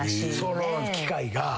その機械が。